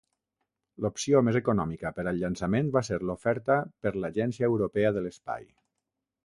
L'opció més econòmica per al llançament va ser l'oferta per l'Agència Europea de l'Espai.